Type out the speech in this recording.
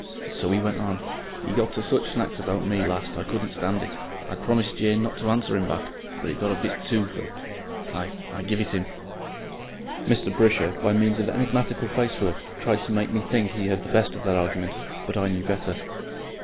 And so he went on. 'E got to such Snacks about me at last I couldn't stand it. I'd promised Jane not to answer 'im back, but it got a bit TOO thick. I I give it 'im..." Mr. Brisher, by means of enigmatical facework, tried to make me think he had had the best of that argument, but I knew better.